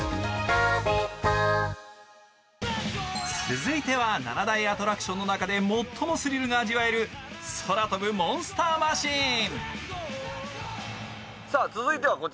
続いては、７大アトラクションの中で、最もスリルが味わえる空飛ぶモンスターマシーン。